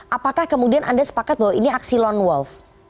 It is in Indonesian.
apakah kemudian anda sepakat bahwa ini aksi lone wolf